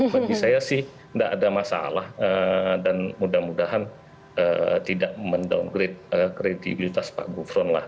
bagi saya sih tidak ada masalah dan mudah mudahan tidak mendowngrade kredibilitas pak gufron lah